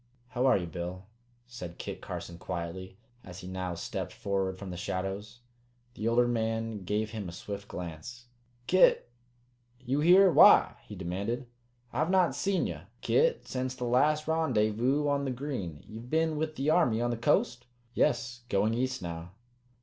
"How are you, Bill?" said Kit Carson quietly, as he now stepped forward from the shadows. The older man gave him a swift glance. "Kit! You here why?" he demanded. "I've not seed ye, Kit, sence the last Rendyvous on the Green. Ye've been with the Army on the coast?" "Yes. Going east now."